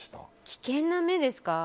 危険な目ですか。